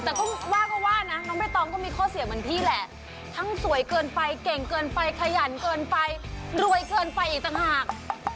แต่ก็ว่าก็ว่านะน้องใบตองก็มีข้อเสียเหมือนพี่แหละทั้งสวยเกินไปเก่งเกินไปขยันเกินไปรวยเกินไปอีกต่างหาก